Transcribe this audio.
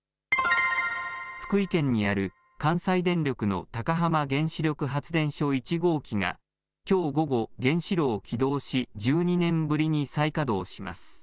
福井県にある関西電力の高浜原子力発電所１号機が、きょう午後、原子炉を起動し、１２年ぶりに再稼働します。